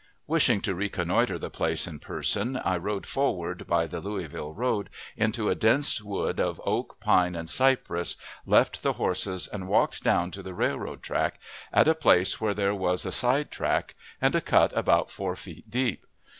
Wishing to reconnoitre the place in person, I rode forward by the Louisville road, into a dense wood of oak, pine, and cypress, left the horses, and walked down to the railroad track, at a place where there was a side track, and a cut about four feet deep.